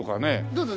どうぞ。